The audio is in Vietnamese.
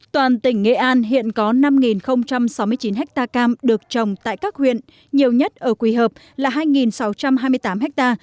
toàn tỉnh nghệ an hiện có năm sáu mươi chín ha cam được trồng tại các huyện nhiều nhất ở quỳ hợp là hai sáu trăm hai mươi tám ha